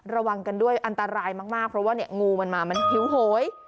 ระวังกันด้วยอันตรายมากเพราะว่าเนี่ยงูมันมามันผิวโหย